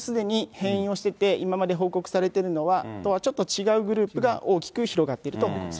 もうすでに変異をしてて、今まで報告されてるのとはちょっと違うグループが大きく広がってると思います。